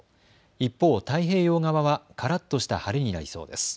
一方、太平洋側はからっとした晴れになりそうです。